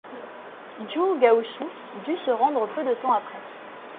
Zhu Gaoxu dut se rendre peu de temps après.